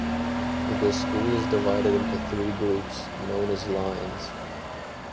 The school is divided into three groups, known as "lines".